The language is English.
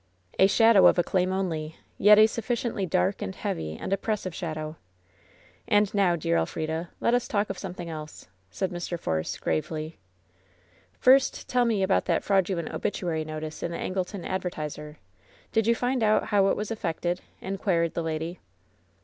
"A shadow of a claim only ; yet a sufficiently dark and heavy and oppressive shadow. And now, dear Elfrida, let us talk of something else," said Mr. Force, gravely. "First, tell me about that fraudulent obituary notice in the Angleton Advertiser. Did you find out how it was effected ?" inquired the lady.